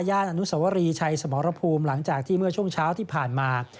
อนุสวรีชัยสมรภูมิหลังจากที่เมื่อช่วงเช้าที่ผ่านมา